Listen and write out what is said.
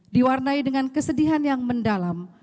diwarnai dengan kesedihan yang mendalam